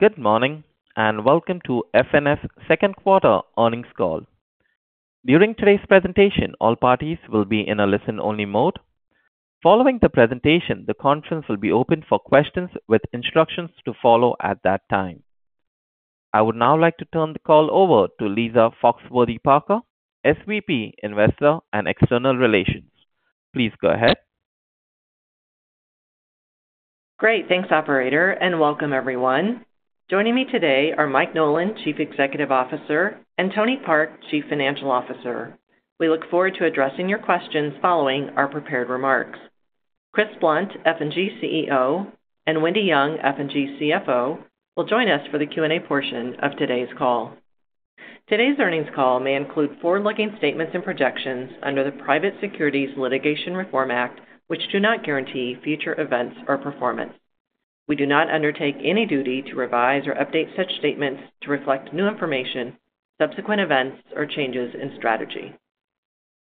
Good morning, and welcome to FNF second quarter earnings call. During today's presentation, all parties will be in a listen-only mode. Following the presentation, the conference will be open for questions with instructions to follow at that time. I would now like to turn the call over to Lisa Foxworthy-Parker, SVP, Investor and External Relations. Please go ahead. Great. Thanks, operator, and welcome everyone. Joining me today are Mike Nolan, Chief Executive Officer, and Tony Park, Chief Financial Officer. We look forward to addressing your questions following our prepared remarks. Chris Blunt, F&G CEO, and Wendy Young, F&G CFO, will join us for the Q&A portion of today's call. Today's earnings call may include forward-looking statements and projections under the Private Securities Litigation Reform Act, which do not guarantee future events or performance. We do not undertake any duty to revise or update such statements to reflect new information, subsequent events, or changes in strategy.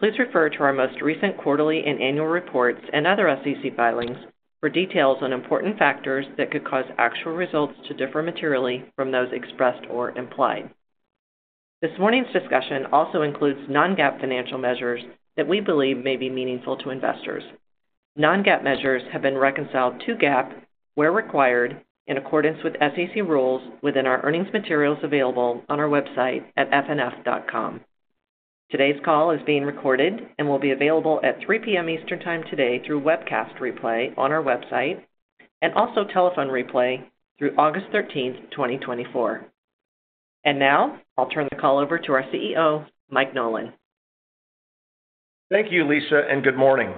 Please refer to our most recent quarterly and annual reports and other SEC filings for details on important factors that could cause actual results to differ materially from those expressed or implied. This morning's discussion also includes non-GAAP financial measures that we believe may be meaningful to investors. Non-GAAP measures have been reconciled to GAAP where required in accordance with SEC rules within our earnings materials available on our website at fnf.com. Today's call is being recorded and will be available at 3:00 P.M. Eastern Time today through webcast replay on our website and also telephone replay through August 13th, 2024. Now I'll turn the call over to our CEO, Mike Nolan. Thank you, Lisa, and good morning.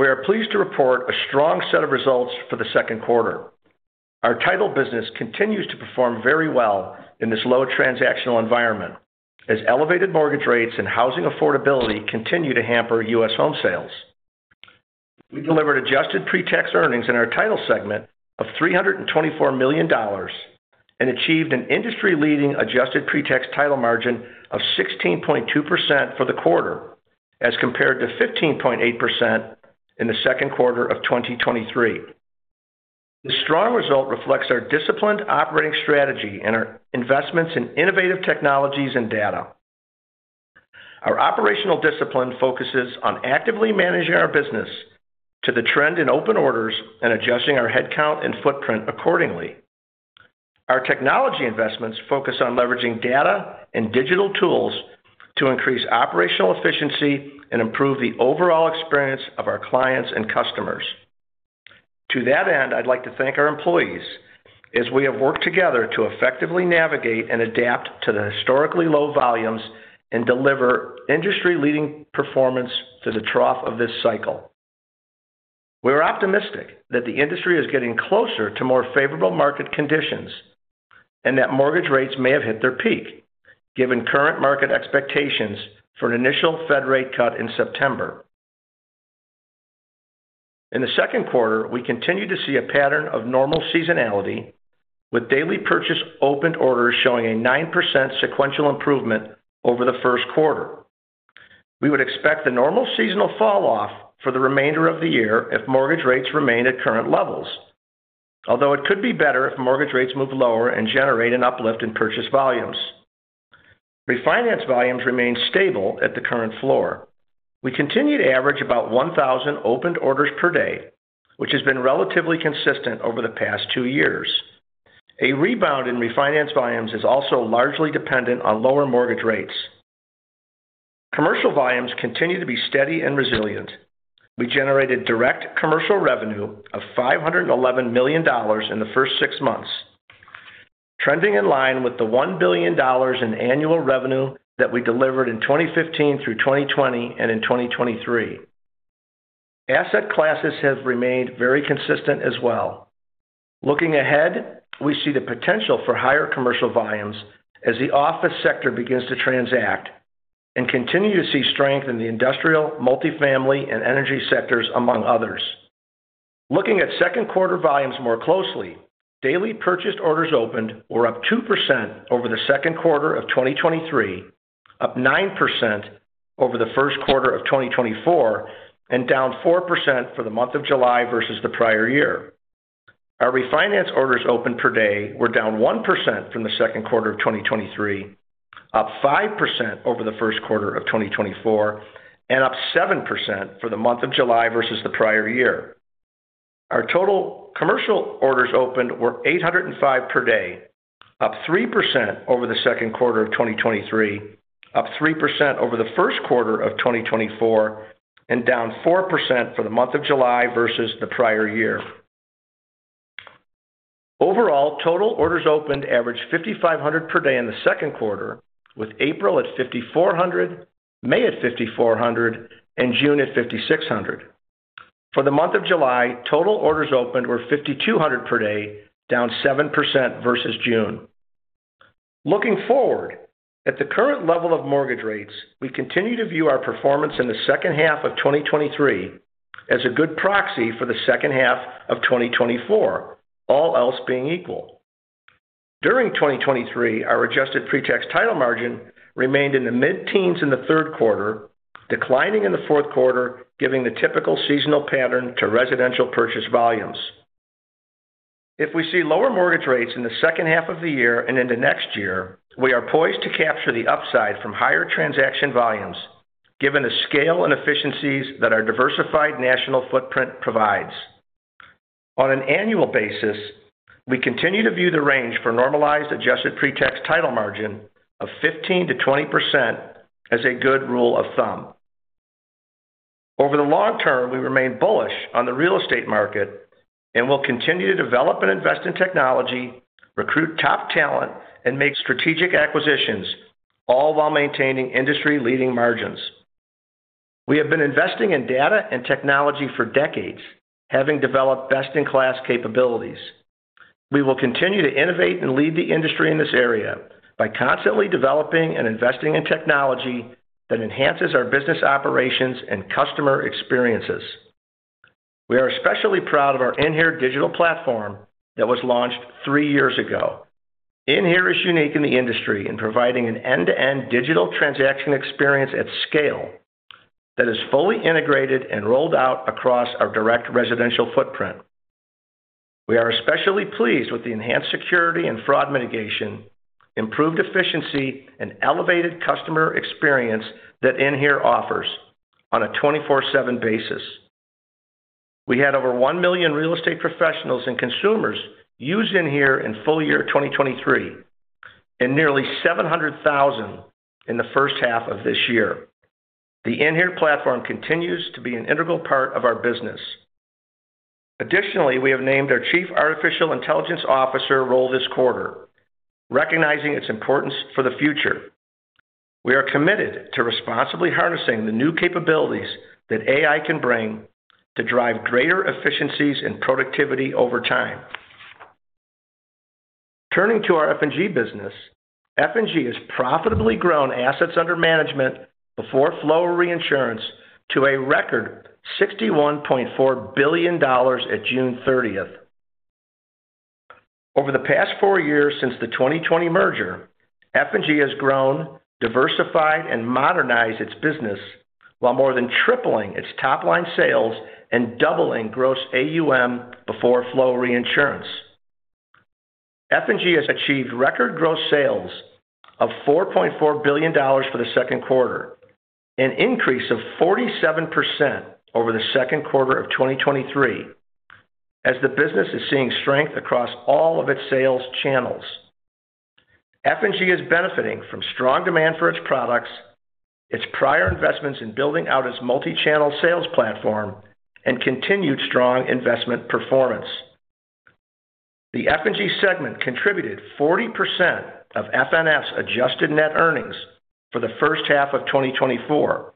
We are pleased to report a strong set of results for the second quarter. Our title business continues to perform very well in this low transactional environment, as elevated mortgage rates and housing affordability continue to hamper U.S. home sales. We delivered adjusted pre-tax earnings in our title segment of $324 million and achieved an industry-leading adjusted pre-tax title margin of 16.2% for the quarter, as compared to 15.8% in the second quarter of 2023. The strong result reflects our disciplined operating strategy and our investments in innovative technologies and data. Our operational discipline focuses on actively managing our business to the trend in open orders and adjusting our headcount and footprint accordingly. Our technology investments focus on leveraging data and digital tools to increase operational efficiency and improve the overall experience of our clients and customers. To that end, I'd like to thank our employees as we have worked together to effectively navigate and adapt to the historically low volumes and deliver industry-leading performance to the trough of this cycle. We are optimistic that the industry is getting closer to more favorable market conditions and that mortgage rates may have hit their peak, given current market expectations for an initial Fed rate cut in September. In the second quarter, we continued to see a pattern of normal seasonality, with daily purchase opened orders showing a 9% sequential improvement over the first quarter. We would expect the normal seasonal fall off for the remainder of the year if mortgage rates remain at current levels, although it could be better if mortgage rates move lower and generate an uplift in purchase volumes. Refinance volumes remain stable at the current floor. We continued to average about 1,000 opened orders per day, which has been relatively consistent over the past two years. A rebound in refinance volumes is also largely dependent on lower mortgage rates. Commercial volumes continue to be steady and resilient. We generated direct commercial revenue of $511 million in the first six months, trending in line with the $1 billion in annual revenue that we delivered in 2015 through 2020 and in 2023. Asset classes have remained very consistent as well. Looking ahead, we see the potential for higher commercial volumes as the office sector begins to transact and continue to see strength in the industrial, multifamily, and energy sectors, among others. Looking at second quarter volumes more closely, daily purchase orders opened were up 2% over the second quarter of 2023, up 9% over the first quarter of 2024, and down 4% for the month of July versus the prior year. Our refinance orders opened per day were down 1% from the second quarter of 2023, up 5% over the first quarter of 2024, and up 7% for the month of July versus the prior year. Our total commercial orders opened were 805 per day, up 3% over the second quarter of 2023, up 3% over the first quarter of 2024, and down 4% for the month of July versus the prior year. Overall, total orders opened averaged 5,500 per day in the second quarter, with April at 5,400, May at 5,400, and June at 5,600. For the month of July, total orders opened were 5,200 per day, down 7% versus June. Looking forward, at the current level of mortgage rates, we continue to view our performance in the second half of 2023 as a good proxy for the second half of 2024, all else being equal.... During 2023, our adjusted pretax title margin remained in the mid-teens in the third quarter, declining in the fourth quarter, giving the typical seasonal pattern to residential purchase volumes. If we see lower mortgage rates in the second half of the year and into next year, we are poised to capture the upside from higher transaction volumes, given the scale and efficiencies that our diversified national footprint provides. On an annual basis, we continue to view the range for normalized adjusted pretax title margin of 15%-20% as a good rule of thumb. Over the long term, we remain bullish on the real estate market and will continue to develop and invest in technology, recruit top talent, and make strategic acquisitions, all while maintaining industry-leading margins. We have been investing in data and technology for decades, having developed best-in-class capabilities. We will continue to innovate and lead the industry in this area by constantly developing and investing in technology that enhances our business operations and customer experiences. We are especially proud of our inHere digital platform that was launched 3 years ago. inHere is unique in the industry in providing an end-to-end digital transaction experience at scale that is fully integrated and rolled out across our direct residential footprint. We are especially pleased with the enhanced security and fraud mitigation, improved efficiency, and elevated customer experience that inHere offers on a 24/7 basis. We had over 1 million real estate professionals and consumers use inHere in full-year 2023, and nearly 700,000 in the first half of this year. The inHere platform continues to be an integral part of our business. Additionally, we have named our Chief Artificial Intelligence Officer role this quarter, recognizing its importance for the future. We are committed to responsibly harnessing the new capabilities that AI can bring to drive greater efficiencies and productivity over time. Turning to our F&G business, F&G has profitably grown assets under management before flow reinsurance to a record $61.4 billion at June thirtieth. Over the past four years, since the 2020 merger, F&G has grown, diversified, and modernized its business, while more than tripling its top-line sales and doubling gross AUM before flow reinsurance. F&G has achieved record gross sales of $4.4 billion for the second quarter, an increase of 47% over the second quarter of 2023, as the business is seeing strength across all of its sales channels. F&G is benefiting from strong demand for its products, its prior investments in building out its multi-channel sales platform, and continued strong investment performance. The F&G segment contributed 40% of FNF's adjusted net earnings for the first half of 2024,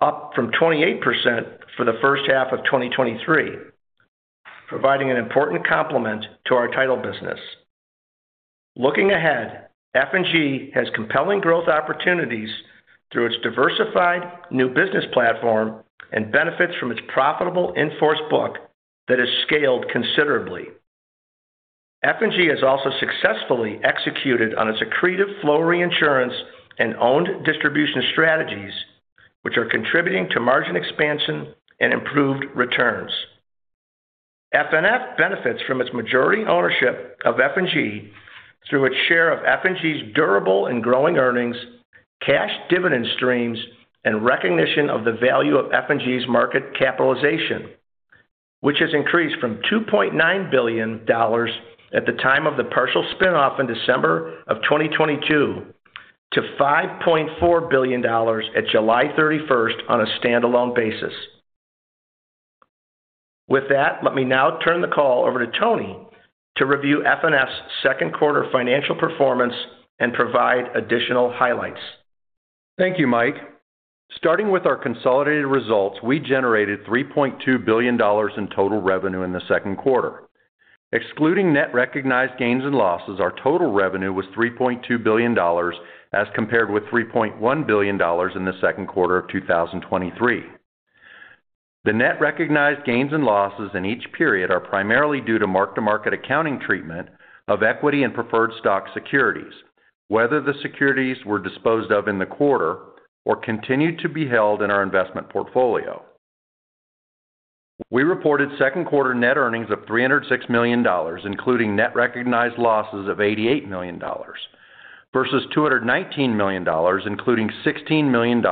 up from 28% for the first half of 2023, providing an important complement to our title business. Looking ahead, F&G has compelling growth opportunities through its diversified new business platform and benefits from its profitable in-force book that has scaled considerably. F&G has also successfully executed on its accretive flow reinsurance and owned distribution strategies, which are contributing to margin expansion and improved returns. FNF benefits from its majority ownership of F&G through its share of F&G's durable and growing earnings, cash dividend streams, and recognition of the value of F&G's market capitalization, which has increased from $2.9 billion at the time of the partial spin-off in December of 2022 to $5.4 billion at July 31st on a standalone basis. With that, let me now turn the call over to Tony to review FNF's second quarter financial performance and provide additional highlights. Thank you, Mike. Starting with our consolidated results, we generated $3.2 billion in total revenue in the second quarter. Excluding net recognized gains and losses, our total revenue was $3.2 billion, as compared with $3.1 billion in the second quarter of 2023. The net recognized gains and losses in each period are primarily due to mark-to-market accounting treatment of equity and preferred stock securities, whether the securities were disposed of in the quarter or continued to be held in our investment portfolio. We reported second quarter net earnings of $306 million, including net recognized losses of $88 million, versus $219 million, including $16 million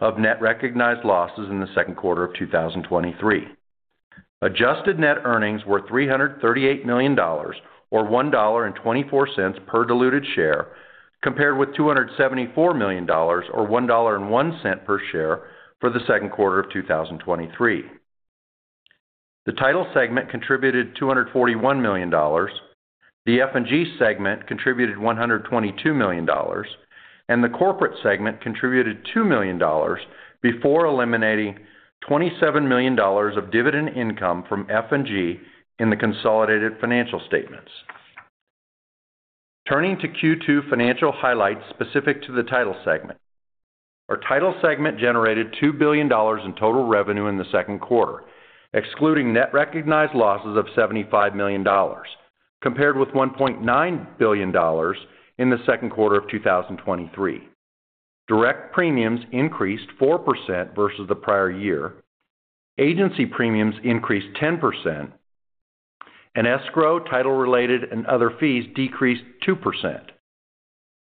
of net recognized losses in the second quarter of 2023. Adjusted net earnings were $338 million, or $1.24 per diluted share, compared with $274 million, or $1.01 per share, for the second quarter of 2023. The title segment contributed $241 million, the F&G segment contributed $122 million, and the corporate segment contributed $2 million before eliminating $27 million of dividend income from F&G in the consolidated financial statements. Turning to Q2 financial highlights specific to the title segment.... Our title segment generated $2 billion in total revenue in the second quarter, excluding net recognized losses of $75 million, compared with $1.9 billion in the second quarter of 2023. Direct premiums increased 4% versus the prior year. Agency premiums increased 10%, and escrow, title-related, and other fees decreased 2%.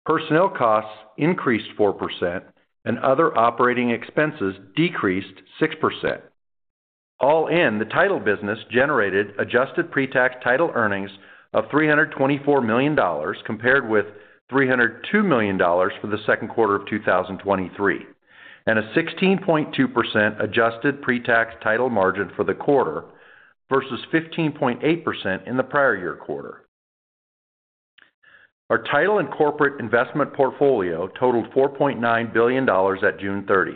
Personnel costs increased 4%, and other operating expenses decreased 6%. All in, the title business generated adjusted pre-tax title earnings of $324 million, compared with $302 million for the second quarter of 2023, and a 16.2% adjusted pre-tax title margin for the quarter, versus 15.8% in the prior year quarter. Our title and corporate investment portfolio totaled $4.9 billion at June 30.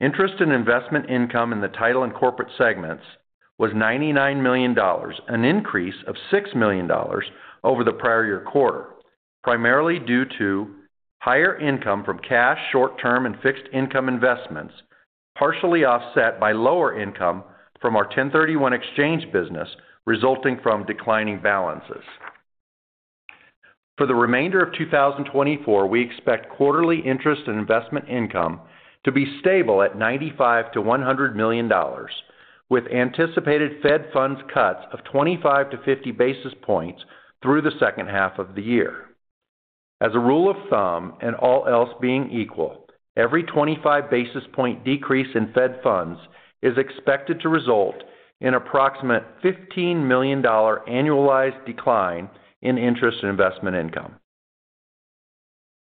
Interest and investment income in the title and corporate segments was $99 million, an increase of $6 million over the prior year quarter, primarily due to higher income from cash, short-term, and fixed income investments, partially offset by lower income from our 1031 exchange business, resulting from declining balances. For the remainder of 2024, we expect quarterly interest and investment income to be stable at $95 million-$100 million, with anticipated Fed funds cuts of 25-50 basis points through the second half of the year. As a rule of thumb, and all else being equal, every 25 basis point decrease in Fed funds is expected to result in approximate $15 million annualized decline in interest and investment income.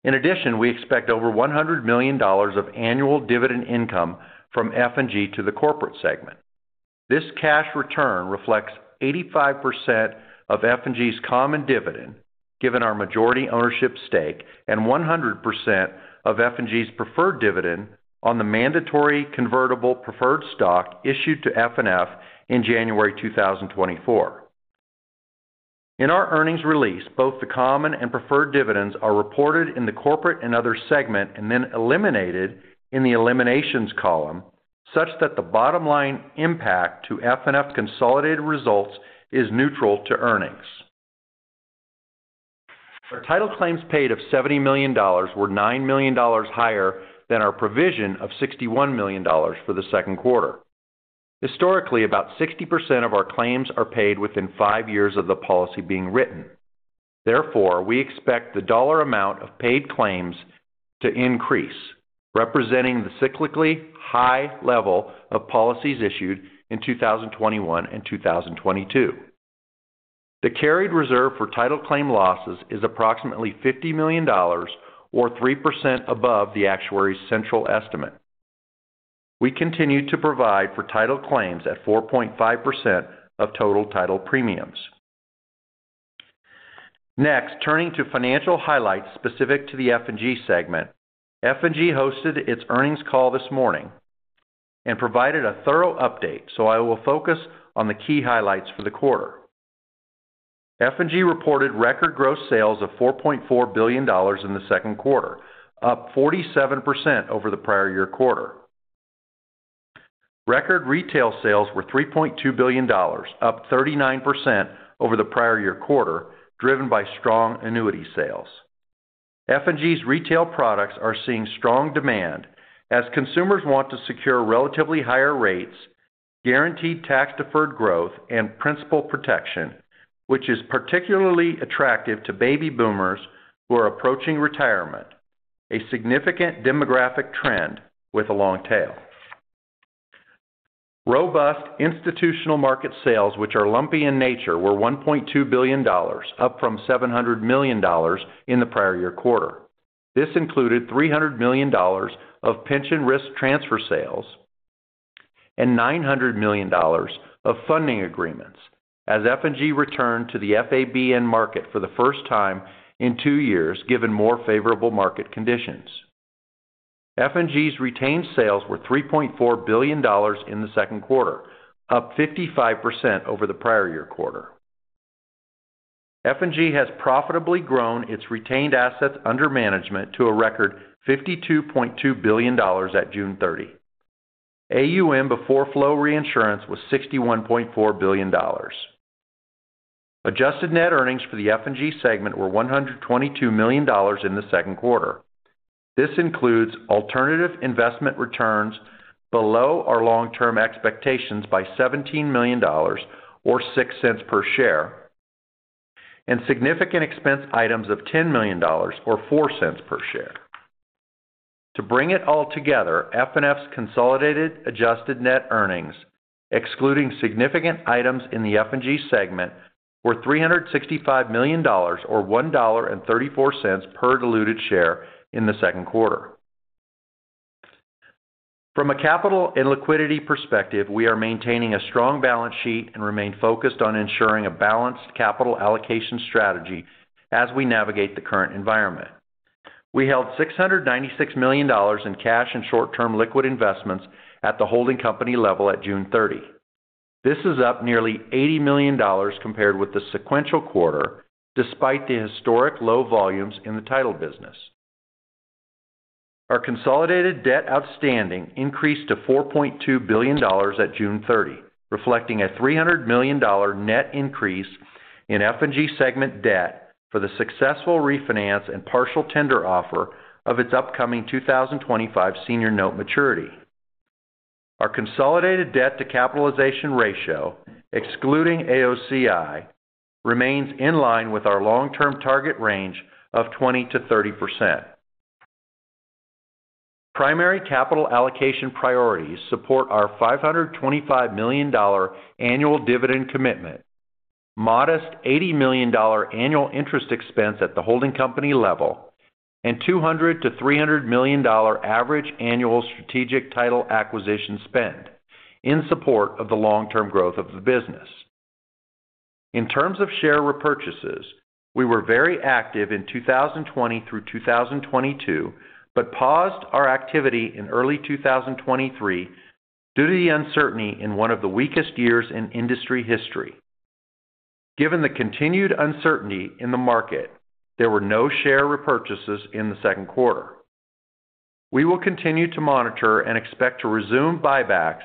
In addition, we expect over $100 million of annual dividend income from F&G to the corporate segment. This cash return reflects 85% of F&G's common dividend, given our majority ownership stake, and 100% of F&G's preferred dividend on the mandatory convertible preferred stock issued to FNF in January 2024. In our earnings release, both the common and preferred dividends are reported in the corporate and other segment, and then eliminated in the eliminations column, such that the bottom line impact to FNF consolidated results is neutral to earnings. Our title claims paid of $70 million were $9 million higher than our provision of $61 million for the second quarter. Historically, about 60% of our claims are paid within five years of the policy being written. Therefore, we expect the dollar amount of paid claims to increase, representing the cyclically high level of policies issued in 2021 and 2022. The carried reserve for title claim losses is approximately $50 million, or 3% above the actuary's central estimate. We continue to provide for title claims at 4.5% of total title premiums. Next, turning to financial highlights specific to the F&G segment. F&G hosted its earnings call this morning and provided a thorough update, so I will focus on the key highlights for the quarter. F&G reported record gross sales of $4.4 billion in the second quarter, up 47% over the prior year quarter. Record retail sales were $3.2 billion, up 39% over the prior year quarter, driven by strong annuity sales. F&G's retail products are seeing strong demand as consumers want to secure relatively higher rates, guaranteed tax-deferred growth, and principal protection, which is particularly attractive to baby boomers who are approaching retirement, a significant demographic trend with a long tail. Robust institutional market sales, which are lumpy in nature, were $1.2 billion, up from $700 million in the prior year quarter. This included $300 million of pension risk transfer sales and $900 million of funding agreements, as F&G returned to the FABN market for the first time in two years, given more favorable market conditions. F&G's retained sales were $3.4 billion in the second quarter, up 55% over the prior year quarter. F&G has profitably grown its retained assets under management to a record $52.2 billion at June 30. AUM, before flow reinsurance, was $61.4 billion. Adjusted net earnings for the F&G segment were $122 million in the second quarter. This includes alternative investment returns below our long-term expectations by $17 million, or $0.06 per share, and significant expense items of $10 million, or $0.04 per share. To bring it all together, FNF's consolidated adjusted net earnings, excluding significant items in the F&G segment, were $365 million, or $1.34 per diluted share in the second quarter. From a capital and liquidity perspective, we are maintaining a strong balance sheet and remain focused on ensuring a balanced capital allocation strategy as we navigate the current environment. We held $696 million in cash and short-term liquid investments at the holding company level at June 30. This is up nearly $80 million compared with the sequential quarter, despite the historic low volumes in the title business. Our consolidated debt outstanding increased to $4.2 billion at June 30, reflecting a $300 million net increase in F&G segment debt for the successful refinance and partial tender offer of its upcoming 2025 senior note maturity. Our consolidated debt to capitalization ratio, excluding AOCI, remains in line with our long-term target range of 20%-30%. Primary capital allocation priorities support our $525 million annual dividend commitment, modest $80 million annual interest expense at the holding company level, and $200 million-$300 million average annual strategic title acquisition spend in support of the long-term growth of the business. In terms of share repurchases, we were very active in 2020 through 2022, but paused our activity in early 2023 due to the uncertainty in one of the weakest years in industry history. Given the continued uncertainty in the market, there were no share repurchases in the second quarter. We will continue to monitor and expect to resume buybacks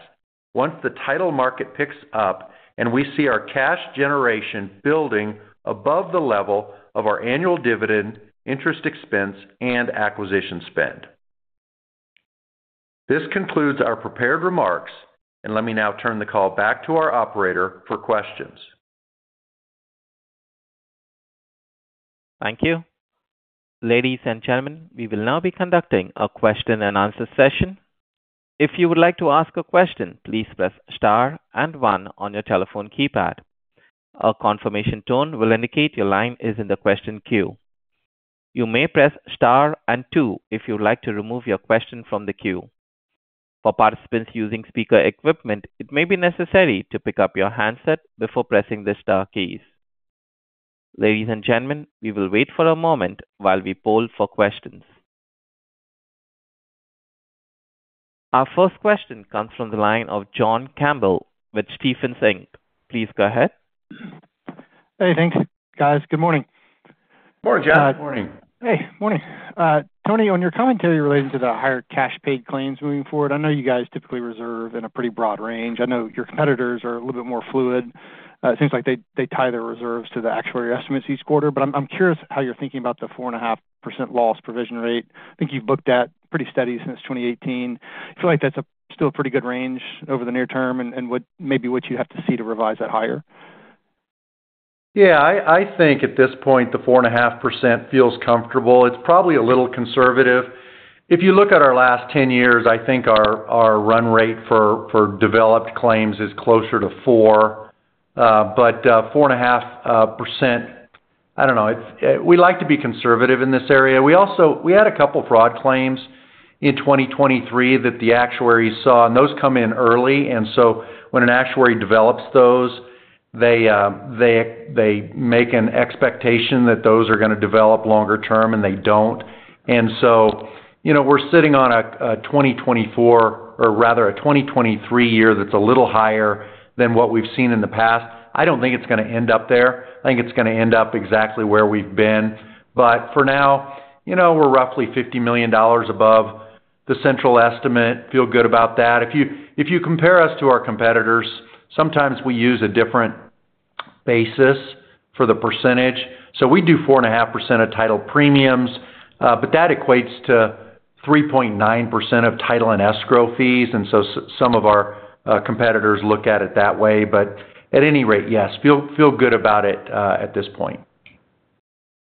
once the title market picks up and we see our cash generation building above the level of our annual dividend, interest expense, and acquisition spend. This concludes our prepared remarks, and let me now turn the call back to our operator for questions. Thank you. Ladies and gentlemen, we will now be conducting a question and answer session. If you would like to ask a question, please press star and one on your telephone keypad. A confirmation tone will indicate your line is in the question queue. You may press star and two if you'd like to remove your question from the queue. For participants using speaker equipment, it may be necessary to pick up your handset before pressing the star keys. Ladies and gentlemen, we will wait for a moment while we poll for questions. Our first question comes from the line of John Campbell with Stephens. Please go ahead. Hey, thanks, guys. Good morning. Good morning, John. Good morning. Hey, morning. Tony, on your commentary relating to the higher cash paid claims moving forward, I know you guys typically reserve in a pretty broad range. I know your competitors are a little bit more fluid. It seems like they tie their reserves to the actuary estimates each quarter. But I'm curious how you're thinking about the 4.5% loss provision rate. I think you've looked at pretty steady since 2018. I feel like that's a still pretty good range over the near term and what maybe what you have to see to revise that higher. Yeah, I think at this point, the 4.5% feels comfortable. It's probably a little conservative. If you look at our last 10 years, I think our run rate for developed claims is closer to 4%, but 4.5%, I don't know. We like to be conservative in this area. We also had a couple fraud claims in 2023 that the actuaries saw, and those come in early. And so when an actuary develops those, they make an expectation that those are gonna develop longer term, and they don't. And so, you know, we're sitting on a 2024, or rather a 2023 year, that's a little higher than what we've seen in the past. I don't think it's gonna end up there. I think it's gonna end up exactly where we've been. But for now, you know, we're roughly $50 million above the central estimate. Feel good about that. If you compare us to our competitors, sometimes we use a different basis for the percentage. So we do 4.5% of title premiums, but that equates to 3.9% of title and escrow fees, and so some of our competitors look at it that way. But at any rate, yes, feel good about it at this point.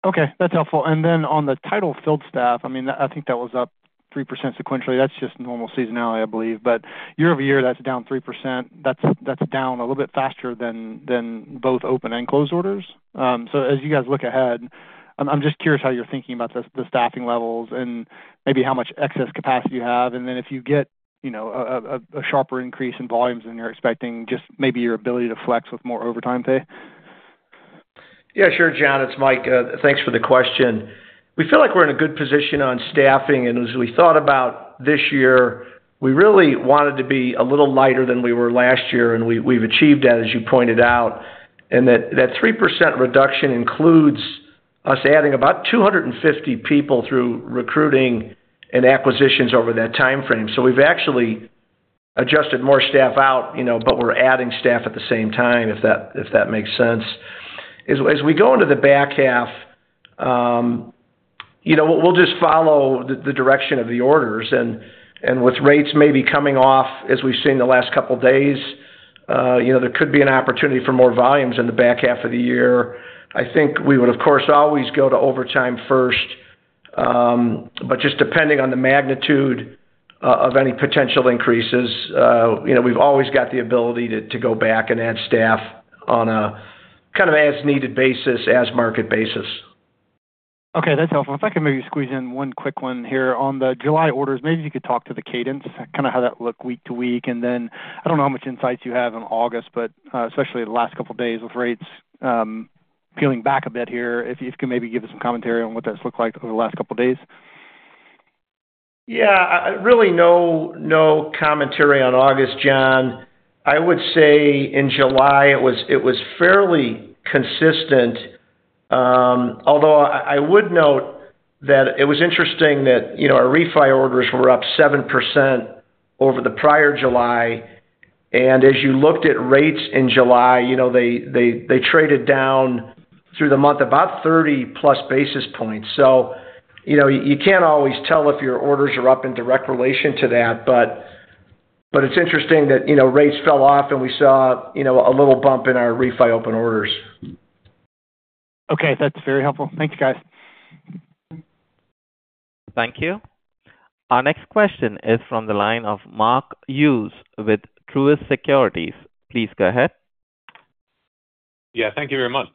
Okay, that's helpful. And then on the title field staff, I mean, I think that was up 3% sequentially. That's just normal seasonality, I believe. But year-over-year, that's down 3%. That's down a little bit faster than both open and close orders. So as you guys look ahead, I'm just curious how you're thinking about the staffing levels and maybe how much excess capacity you have, and then if you get, you know, a sharper increase in volumes than you're expecting, just maybe your ability to flex with more overtime pay. Yeah, sure, John, it's Mike. Thanks for the question. We feel like we're in a good position on staffing, and as we thought about this year, we really wanted to be a little lighter than we were last year, and we, we've achieved that, as you pointed out. And that, that 3% reduction includes us adding about 250 people through recruiting and acquisitions over that timeframe. So we've actually adjusted more staff out, you know, but we're adding staff at the same time, if that, if that makes sense. As we go into the back half, you know, we'll just follow the direction of the orders. And with rates maybe coming off as we've seen in the last couple of days, you know, there could be an opportunity for more volumes in the back half of the year. I think we would, of course, always go to overtime first. But just depending on the magnitude of any potential increases, you know, we've always got the ability to go back and add staff on a kind of as-needed basis, as-market basis. Okay, that's helpful. If I could maybe squeeze in one quick one here. On the July orders, maybe you could talk to the cadence, kind of how that looked week to week. And then, I don't know how much insights you have on August, but, especially the last couple of days with rates, peeling back a bit here, if you could maybe give us some commentary on what that's looked like over the last couple of days?... Yeah, really no commentary on August, John. I would say in July it was fairly consistent. Although I would note that it was interesting that, you know, our refi orders were up 7% over the prior July, and as you looked at rates in July, you know, they traded down through the month, about 30+ basis points. So, you know, you can't always tell if your orders are up in direct relation to that, but it's interesting that, you know, rates fell off, and we saw, you know, a little bump in our refi open orders. Okay. That's very helpful. Thank you, guys. Thank you. Our next question is from the line of Mark Hughes with Truist Securities. Please go ahead. Yeah, thank you very much.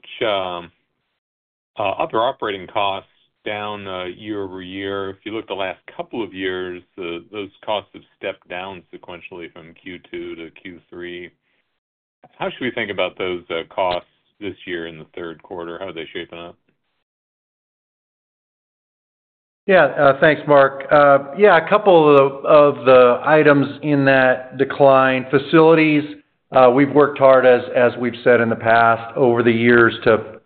Other operating costs down year over year. If you look the last couple of years, those costs have stepped down sequentially from Q2 to Q3. How should we think about those costs this year in the third quarter? How are they shaping up? Yeah. Thanks, Mark. Yeah, a couple of the items in that decline. Facilities, we've worked hard, as we've said in the past, over the years to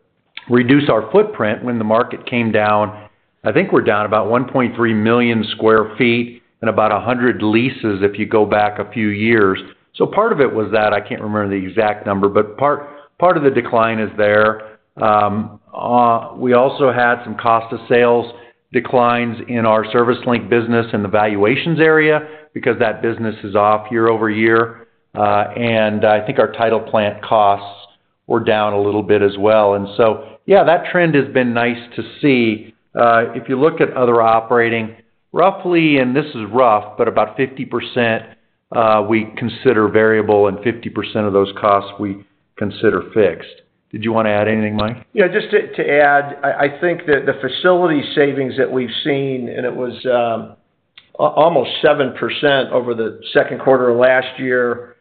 reduce our footprint when the market came down. I think we're down about 1.3 million sq ft and about 100 leases if you go back a few years. So part of it was that, I can't remember the exact number, but part of the decline is there. We also had some cost of sales declines in our ServiceLink business in the valuations area because that business is off year-over-year. And I think our title plant costs were down a little bit as well. And so, yeah, that trend has been nice to see. If you look at other operating, roughly, and this is rough, but about 50%, we consider variable and 50% of those costs we consider fixed. Did you wanna add anything, Mike? Yeah, just to add, I think that the facility savings that we've seen, and it was almost 7% over the second quarter of last year,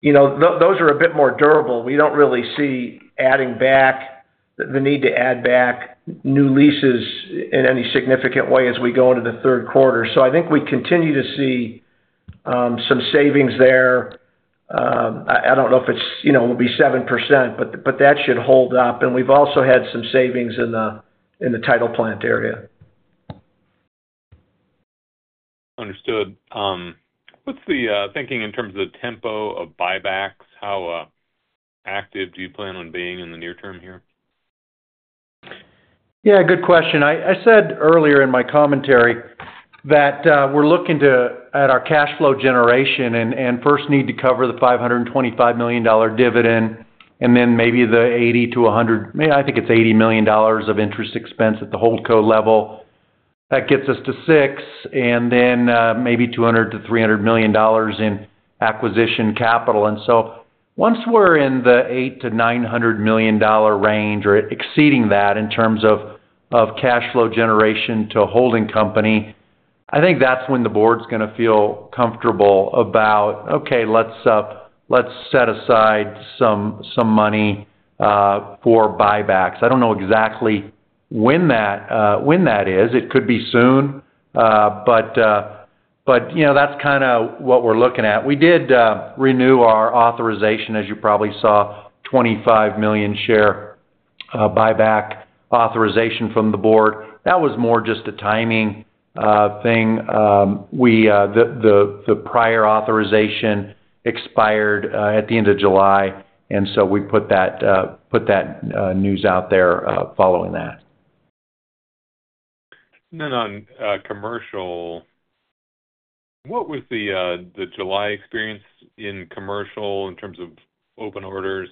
you know, those are a bit more durable. We don't really see the need to add back new leases in any significant way as we go into the third quarter. So I think we continue to see some savings there. I don't know if it's, you know, will be 7%, but that should hold up, and we've also had some savings in the title plant area. Understood. What's the thinking in terms of the tempo of buybacks? How active do you plan on being in the near term here? Yeah, good question. I said earlier in my commentary that we're looking at our cash flow generation and first need to cover the $525 million dividend, and then maybe the $80-$100 million, maybe, I think it's $80 million of interest expense at the holdco level. That gets us to $600 million, and then maybe $200 million-$300 million in acquisition capital. And so once we're in the $800-$900 million range or exceeding that in terms of cash flow generation to a holding company, I think that's when the board's gonna feel comfortable about, "Okay, let's set aside some money for buybacks." I don't know exactly when that is. It could be soon, but, but, you know, that's kind of what we're looking at. We did renew our authorization, as you probably saw, 25 million share buyback authorization from the board. That was more just a timing thing. The prior authorization expired at the end of July, and so we put that news out there following that. And then on commercial, what was the July experience in commercial in terms of open orders?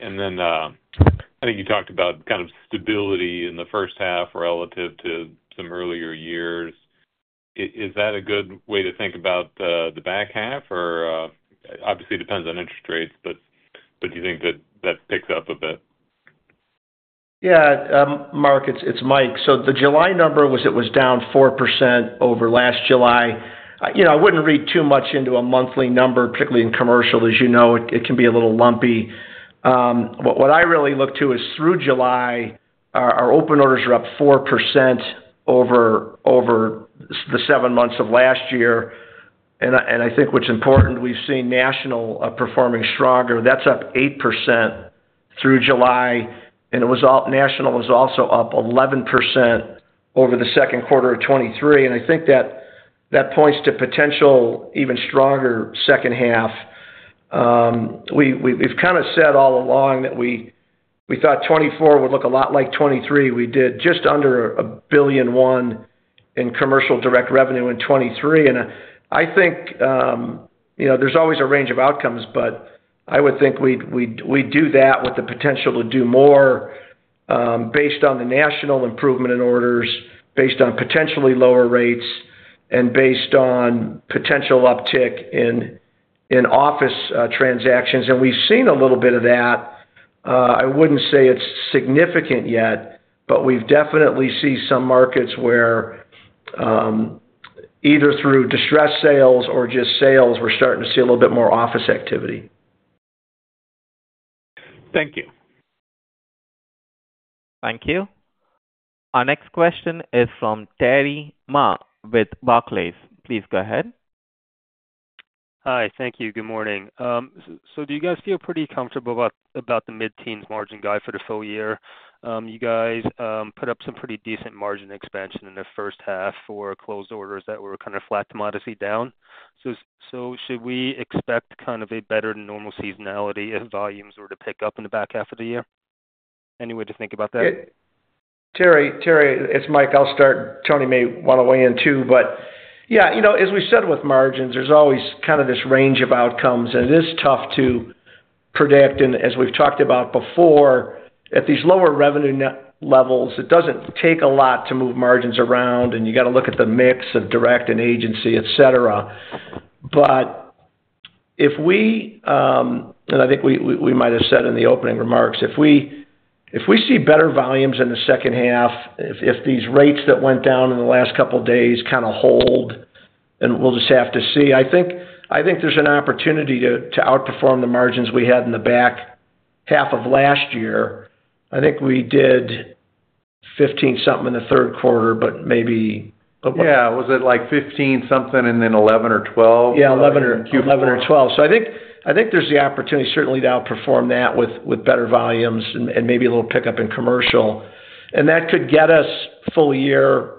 And then, I think you talked about kind of stability in the first half relative to some earlier years. Is that a good way to think about the back half? Or, obviously, it depends on interest rates, but do you think that that picks up a bit? Yeah, Mark, it's Mike. So the July number was down 4% over last July. You know, I wouldn't read too much into a monthly number, particularly in commercial. As you know, it can be a little lumpy. But what I really look to is, through July, our open orders are up 4% over the seven months of last year. And I think what's important, we've seen national performing stronger. That's up 8% through July, and national was also up 11% over the second quarter of 2023, and I think that points to potential even stronger second half. We kind of said all along that we thought 2024 would look a lot like 2023. We did just under $1.1 billion in commercial direct revenue in 2023, and I think, you know, there's always a range of outcomes, but I would think we'd do that with the potential to do more, based on the national improvement in orders, based on potentially lower rates, and based on potential uptick in office transactions. And we've seen a little bit of that. I wouldn't say it's significant yet, but we've definitely seen some markets where, either through distressed sales or just sales, we're starting to see a little bit more office activity.... Thank you. Thank you. Our next question is from Terry Ma with Barclays. Please go ahead. Hi. Thank you. Good morning. So do you guys feel pretty comfortable about the mid-teens margin guide for the full-year? You guys put up some pretty decent margin expansion in the first half for closed orders that were kind of flat to modestly down. So should we expect kind of a better than normal seasonality if volumes were to pick up in the back half of the year? Any way to think about that? Terry, Terry, it's Mike. I'll start. Tony may want to weigh in, too, but yeah, you know, as we've said with margins, there's always kind of this range of outcomes, and it is tough to predict. And as we've talked about before, at these lower revenue net levels, it doesn't take a lot to move margins around, and you got to look at the mix of direct and agency, et cetera. But if we, and I think we might have said in the opening remarks, if we see better volumes in the second half, if these rates that went down in the last couple of days kind of hold, and we'll just have to see. I think there's an opportunity to outperform the margins we had in the back half of last year. I think we did 15 something in the third quarter, but maybe- Yeah, was it like 15 something and then 11 or 12? Yeah, 11 or 12. So I think there's the opportunity certainly to outperform that with better volumes and maybe a little pickup in commercial. And that could get us full-year,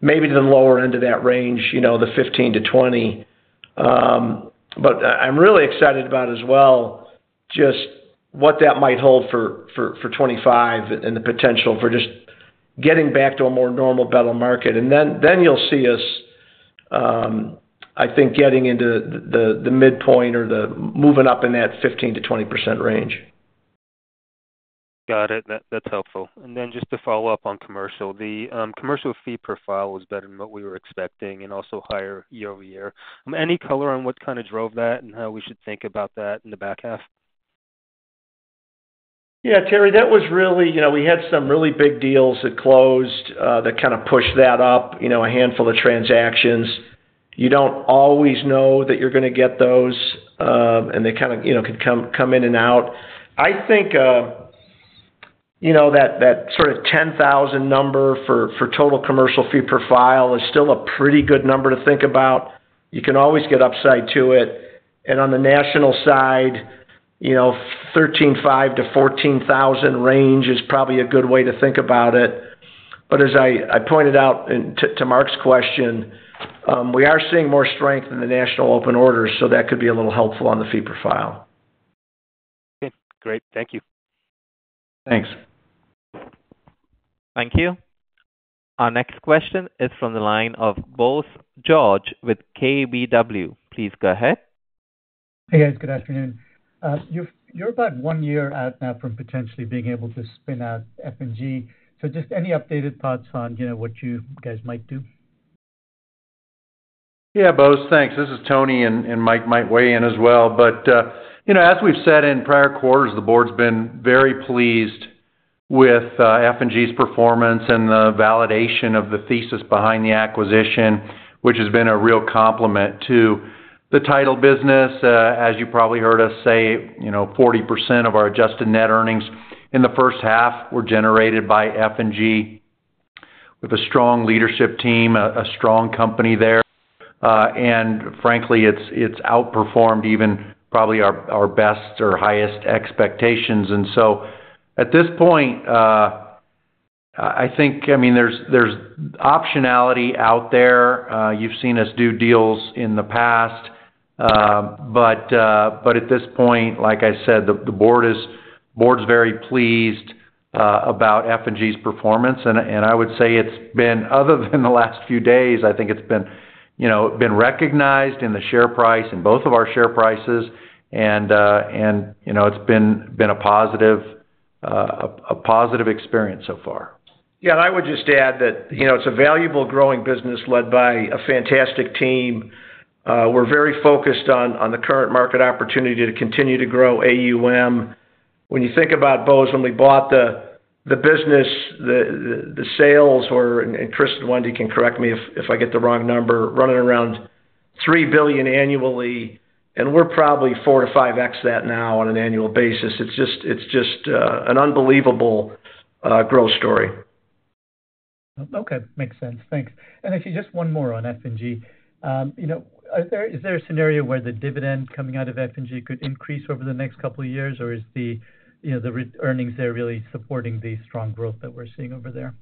maybe in the lower end of that range, you know, the 15-20. But I'm really excited about as well, just what that might hold for 2025 and the potential for just getting back to a more normal better market. And then you'll see us, I think, getting into the midpoint or moving up in that 15%-20% range. Got it. That's helpful. And then just to follow up on commercial. The commercial fee per file was better than what we were expecting and also higher year over year. Any color on what kind of drove that and how we should think about that in the back half? Yeah, Terry, that was really, you know, we had some really big deals that closed, that kind of pushed that up, you know, a handful of transactions. You don't always know that you're going to get those, and they kind of, you know, could come in and out. I think, you know, that, that sort of $10,000 number for total commercial fee per file is still a pretty good number to think about. You can always get upside to it. And on the national side, you know, $13,500-$14,000 range is probably a good way to think about it. But as I pointed out and to Mark's question, we are seeing more strength in the national open orders, so that could be a little helpful on the fee per file. Okay, great. Thank you. Thanks. Thank you. Our next question is from the line of Bose George with KBW. Please go ahead. Hey, guys. Good afternoon. You're about one year out now from potentially being able to spin out F&G. So just any updated thoughts on, you know, what you guys might do? Yeah, Bose. Thanks. This is Tony, and Mike might weigh in as well. But, you know, as we've said in prior quarters, the board's been very pleased with F&G's performance and the validation of the thesis behind the acquisition, which has been a real compliment to the title business. As you probably heard us say, you know, 40% of our adjusted net earnings in the first half were generated by F&G, with a strong leadership team, a strong company there. And frankly, it's outperformed even probably our best or highest expectations. And so at this point, I think, I mean, there's optionality out there. You've seen us do deals in the past. But at this point, like I said, the board's very pleased about F&G's performance. I would say it's been, other than the last few days, I think it's been, you know, recognized in the share price and both of our share prices. You know, it's been a positive experience so far. Yeah, and I would just add that, you know, it's a valuable growing business led by a fantastic team. We're very focused on the current market opportunity to continue to grow AUM. When you think about, Bose, when we bought the business, the sales or, and Chris and Wendy, can correct me if I get the wrong number, running around $3 billion annually, and we're probably 4-5x that now on an annual basis. It's just, it's just, an unbelievable growth story. Okay. Makes sense. Thanks. And actually, just one more on F&G. You know, is there a scenario where the dividend coming out of F&G could increase over the next couple of years? Or is the, you know, the earnings there really supporting the strong growth that we're seeing over there?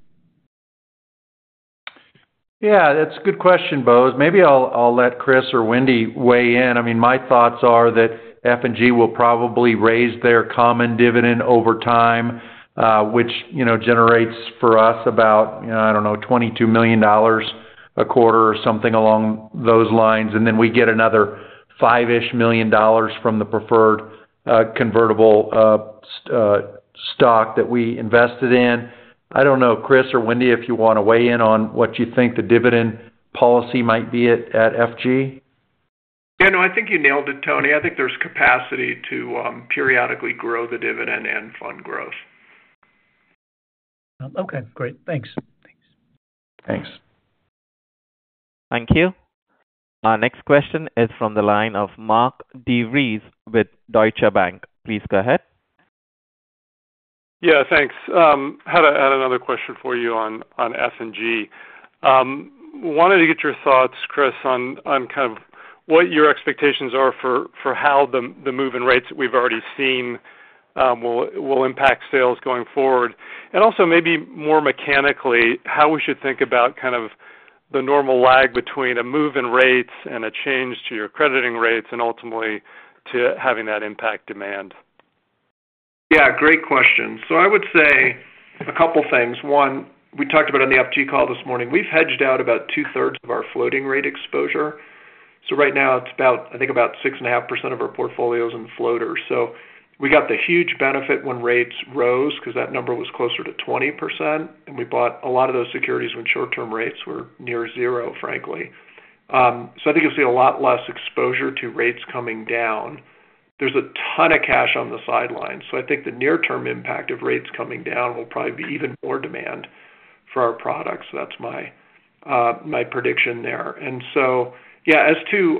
Yeah, that's a good question, Bose. Maybe I'll let Chris or Wendy weigh in. I mean, my thoughts are that F&G will probably raise their common dividend over time, which, you know, generates for us about, you know, I don't know, $22 million a quarter or something along those lines. And then we get another $5-ish million from the preferred convertible stock that we invested in. I don't know, Chris or Wendy, if you want to weigh in on what you think the dividend policy might be at F&G? Yeah, no, I think you nailed it, Tony. I think there's capacity to periodically grow the dividend and fund growth. Okay, great. Thanks. Thanks. Thank you. Our next question is from the line of Mark DeVries with Deutsche Bank. Please go ahead. Yeah, thanks. Had another question for you on F&G. Wanted to get your thoughts, Chris, on kind of what your expectations are for how the move in rates we've already seen will impact sales going forward. And also maybe more mechanically, how we should think about kind of the normal lag between a move in rates and a change to your crediting rates and ultimately to having that impact demand. Yeah, great question. So I would say a couple things. One, we talked about on the F&G call this morning. We've hedged out about two-thirds of our floating rate exposure. So right now it's about, I think, about 6.5% of our portfolio's in floaters. So we got the huge benefit when rates rose, 'cause that number was closer to 20%, and we bought a lot of those securities when short-term rates were near zero, frankly. So I think you'll see a lot less exposure to rates coming down. There's a ton of cash on the sidelines, so I think the near-term impact of rates coming down will probably be even more demand for our products. That's my prediction there. And so, yeah, as to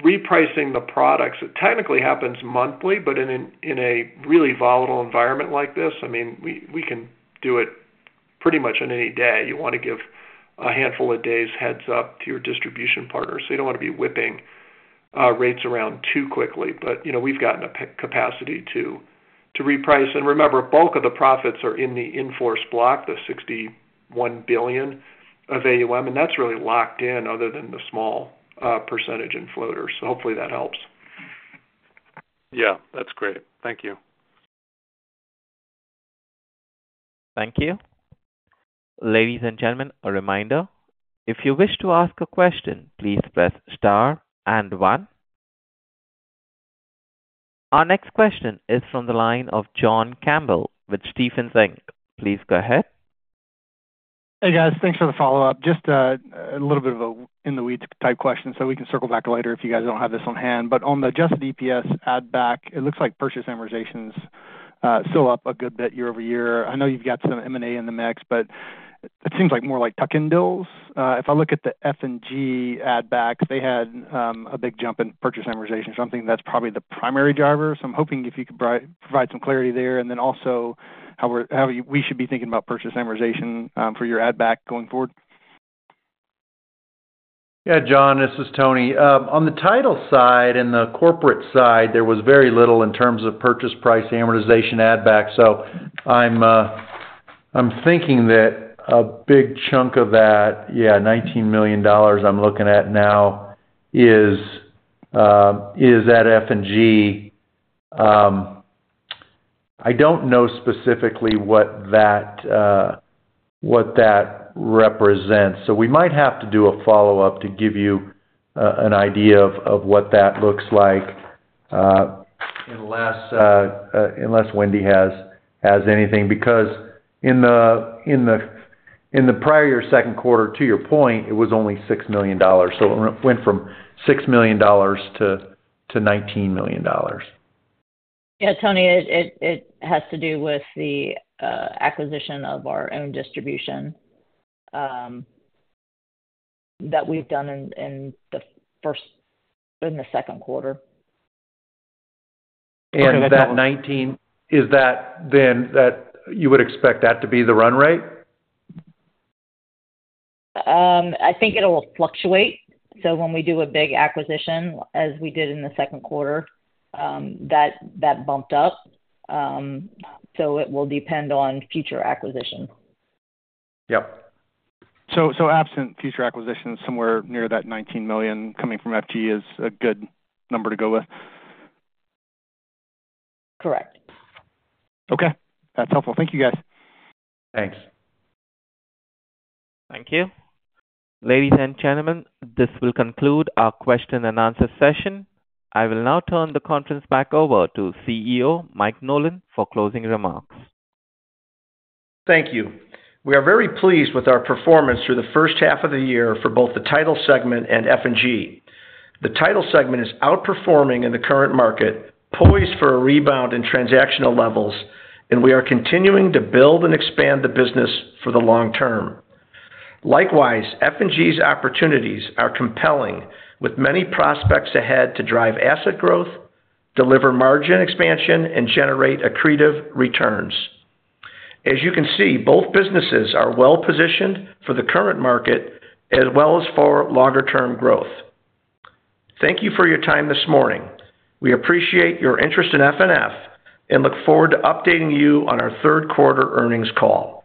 repricing the products, it technically happens monthly, but in a really volatile environment like this, I mean, we can do it pretty much on any day. You wanna give a handful of days' heads-up to your distribution partners, so you don't wanna be whipping rates around too quickly. But, you know, we've gotten the capacity to reprice. And remember, bulk of the profits are in the in-force block, the $61 billion of AUM, and that's really locked in other than the small percentage in floaters. So hopefully that helps. Yeah, that's great. Thank you. Thank you. Ladies and gentlemen, a reminder, if you wish to ask a question, please press star and one. Our next question is from the line of John Campbell with Stephens. Please go ahead. Hey, guys. Thanks for the follow-up. Just a little bit of a in-the-weeds type question, so we can circle back later if you guys don't have this on hand. But on the adjusted EPS add back, it looks like purchase amortization is still up a good bit year-over-year. I know you've got some M&A in the mix, but it seems like more like tuck-in deals. If I look at the F&G add backs, they had a big jump in purchase amortization, something that's probably the primary driver. So I'm hoping if you could provide some clarity there, and then also, how we should be thinking about purchase amortization for your add back going forward. Yeah, John, this is Tony. On the title side and the corporate side, there was very little in terms of purchase price amortization add back. So I'm thinking that a big chunk of that, yeah, $19 million I'm looking at now, is at F&G. I don't know specifically what that represents, so we might have to do a follow-up to give you an idea of what that looks like, unless Wendy has anything. Because in the prior second quarter, to your point, it was only $6 million. So it went from $6 million to $19 million. Yeah, Tony, it has to do with the acquisition of our own distribution that we've done in the second quarter. And that 19, is that then, that you would expect that to be the run rate? I think it'll fluctuate. So when we do a big acquisition, as we did in the second quarter, that bumped up. So it will depend on future acquisition. Yep. So absent future acquisitions, somewhere near that $19 million coming from F&G is a good number to go with? Correct. Okay, that's helpful. Thank you, guys. Thanks. Thank you. Ladies and gentlemen, this will conclude our question and answer session. I will now turn the conference back over to CEO Mike Nolan for closing remarks. Thank you. We are very pleased with our performance through the first half of the year for both the title segment and F&G. The title segment is outperforming in the current market, poised for a rebound in transactional levels, and we are continuing to build and expand the business for the long term. Likewise, F&G's opportunities are compelling, with many prospects ahead to drive asset growth, deliver margin expansion, and generate accretive returns. As you can see, both businesses are well-positioned for the current market as well as for longer-term growth. Thank you for your time this morning. We appreciate your interest in FNF and look forward to updating you on our third quarter earnings call.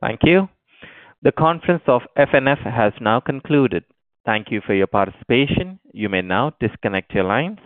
Thank you. The conference of FNF has now concluded. Thank you for your participation. You may now disconnect your lines.